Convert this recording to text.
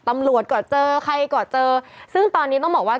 ตำรวจก็เจอใครก็เจอซึ่งตอนนี้ต้องบอกว่า